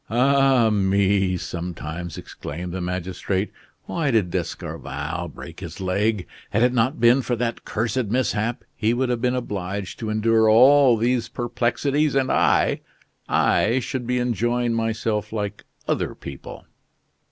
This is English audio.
"Ah, me!" sometimes exclaimed the magistrate, "why did D'Escorval break his leg? Had it not been for that cursed mishap, he would have been obliged to endure all these perplexities, and I I should be enjoying myself like other people."